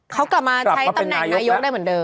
เขากลับมาใช้ตำแหน่งนายกได้เหมือนเดิ